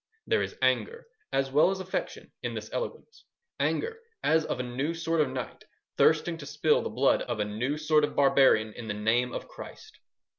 There is anger, as well as affection, in this eloquence—anger as of a new sort of knight thirsting to spill the blood of a new sort of barbarian in the name of Christ.